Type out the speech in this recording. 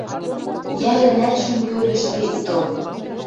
Йӓлӹнӓт шӱм кӧргӹштӹ вет тыл.